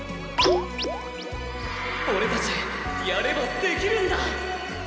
オレたちやればできるんだ！